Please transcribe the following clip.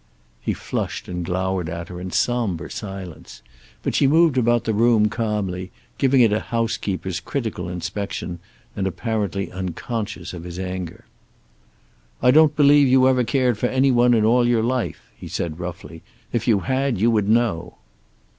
He flushed and glowered at her in somber silence, but she moved about the room calmly, giving it a housekeeper's critical inspection, and apparently unconscious of his anger. "I don't believe you ever cared for any one in all your life," he said roughly. "If you had, you would know."